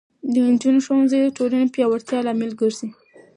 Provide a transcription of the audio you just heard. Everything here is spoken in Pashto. د نجونو ښوونځی د ټولنې پیاوړتیا لامل ګرځي.